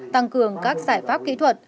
tăng cường các giải pháp kỹ thuật